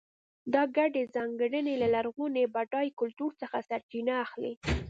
دا ګډې ځانګړنې له لرغوني بډای کلتور څخه سرچینه اخلي.